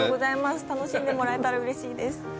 楽しんでもらえたらうれしいです。